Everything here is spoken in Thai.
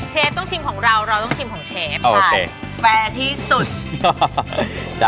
เชฟต้องชิมของเราแล้วเราต้องชิมของเชฟแฟรร์ที่สุด